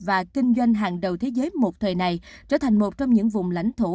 và kinh doanh hàng đầu thế giới một thời này trở thành một trong những vùng lãnh thổ